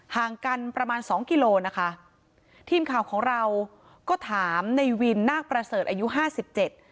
ห่างกันประมาณสองกิโลนะคะทีมข่าวของเราก็ถามในวินนาคประเสริฐอายุห้าสิบเจ็ด